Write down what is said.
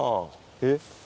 えっ？